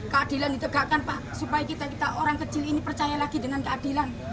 keadilan ditegakkan pak supaya kita kita orang kecil ini percaya lagi dengan keadilan